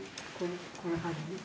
◆こんな感じね。